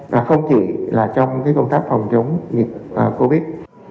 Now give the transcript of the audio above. và không chỉ là trong công tác phòng chống covid